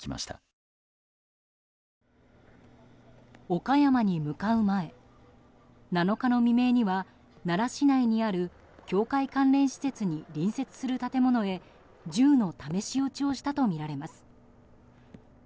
岡山に向かう前７日の未明には奈良市内にある教会関連施設に隣接する建物へ銃の試し撃ちをしたとみられます。